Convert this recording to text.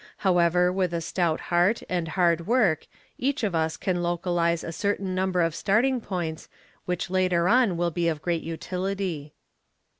However with a stout heart and hard work each of us can localise a certain number of starting points which later on will be of great utility.